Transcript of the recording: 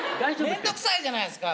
面倒くさいじゃないですか